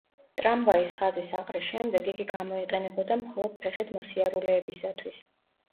ტრამვაის ხაზის აყრის შემდეგ იგი გამოიყენებოდა მხოლოდ ფეხით მოსიარულეებისათვის.